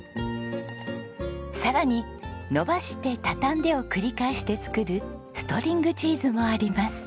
さらに伸ばして畳んでを繰り返して作るストリングチーズもあります。